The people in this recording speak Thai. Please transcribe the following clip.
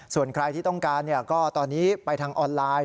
ส่วนใครที่ต้องการก็ตอนนี้ไปทางออนไลน์